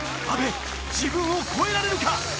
阿部自分を超えられるか？